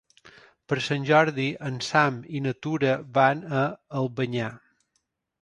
Per Sant Jordi en Sam i na Tura van a Albanyà.